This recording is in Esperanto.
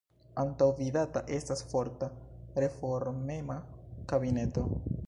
Antaŭvidata estas forta, reformema kabineto.